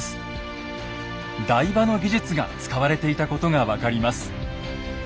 台場の技術が使われていたことが分かります。